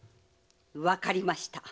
わかりました。